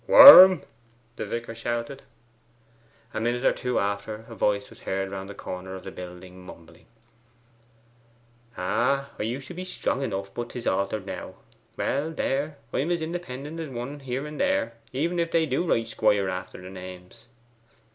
'Worm!' the vicar shouted. A minute or two after a voice was heard round the corner of the building, mumbling, 'Ah, I used to be strong enough, but 'tis altered now! Well, there, I'm as independent as one here and there, even if they do write 'squire after their names.